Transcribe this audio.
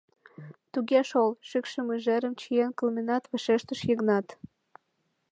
— Туге шол, — шӱкшӧ мыжерым чиен кылменат, вашештыш Йыгнат.